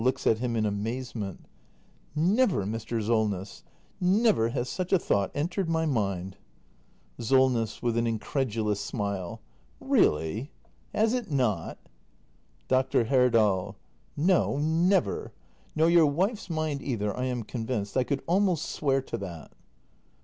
[Looks at him in amazement.] Never, Mr. Solness — never has such a thought entered my mind. Solness. [With an incredulous smile.] Really? Has it not? act ij THE MASTER BUILDER 281 Dr. Herdal. No, never! Nor your wife's mind either, I am con vinced. I could almost swear to that.